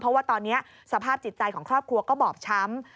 เพราะว่าตอนนี้สภาพจิตใจของครอบครัวก็บอบช้ำ